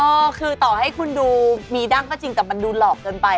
ก็คือต่อให้คุณดูมีดั้งก็จริงแต่มันดูหลอกเกินไป